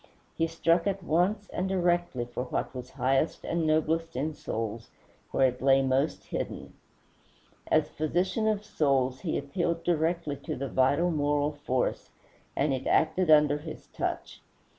He struck at once and directly for what was highest and noblest in souls where it lay most hidden. As physician of souls he appealed directly to the vital moral force, and it acted under his touch.